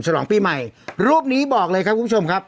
ฉลองปีใหม่รูปนี้บอกเลยครับคุณผู้ชมครับ